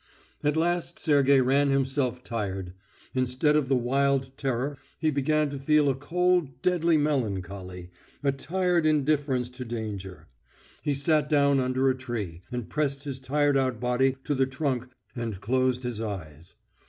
At last Sergey ran himself tired. Instead of the wild terror, he began to feel a cold, deadly melancholy, a tired indifference to danger. He sat down under a tree, and pressed his tired out body to the trunk and closed his eyes.